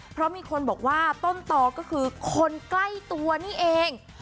เพราะมีคนบอกว่าต้นตอก็คือคนใกล้ตัวนี่เอง